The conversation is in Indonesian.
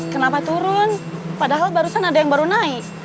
kenapa turun padahal barusan ada yang baru naik